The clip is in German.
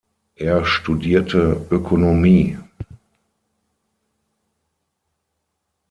Er studierte Ökonomie.